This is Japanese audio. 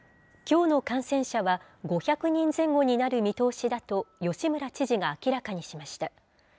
きょうの感染者は５００人前後になる見通しだと吉村知事が明らかにしました。